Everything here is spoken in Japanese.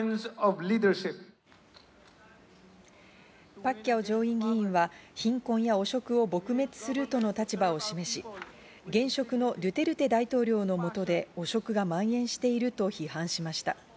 パッキャオ上院議員は貧困や汚職を撲滅するとの立場を示し、現職のドゥテルテ大統領の下で汚職がまん延していると批判しました。